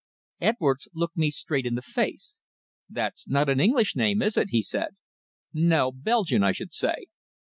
Edwards looked me straight in the face. "That's not an English name, is it?" he said. "No, Belgian, I should say."